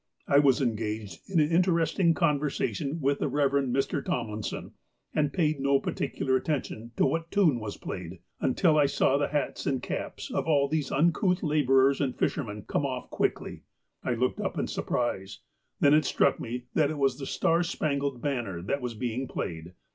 I was engaged in an interesting conversation with the Eev. Mr. Tomlinson, and paid no particular at tention to what tune was played until I saw the hats and caps of all these uncouth labourers and fishermen come off quickly. I looked up in surprise. Then it struck me that it was "The Star Spangled Banner" that was being played.